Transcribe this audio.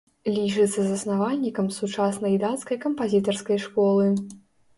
Лічыцца заснавальнікам сучаснай дацкай кампазітарскай школы.